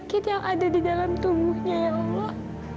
di dalam tubuhnya ya allah